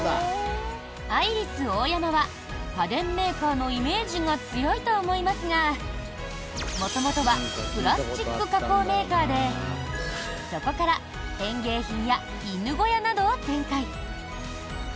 アイリスオーヤマは家電メーカーのイメージが強いと思いますが、元々はプラスチック加工メーカーでそこから園芸品や犬小屋などを展開。